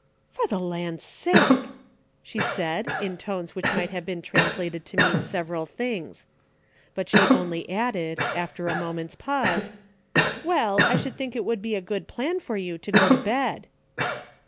" For the land's sake !" she said in tones which might have been translated to meair several things ; but she only added, after a mo ment's pause, "Well, I should think it would be 7 good plan for you to go to bed."